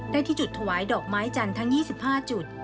ที่จุดถวายดอกไม้จันทร์ทั้ง๒๕จุด